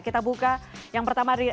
kita buka yang pertama